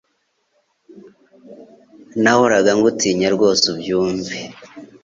Nahoraga ngutinya rwose byumve